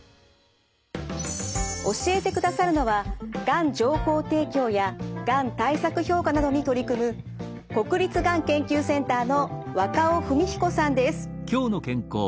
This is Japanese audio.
教えてくださるのはがん情報提供やがん対策評価などに取り組む国立がん研究センターの若尾文彦さんです。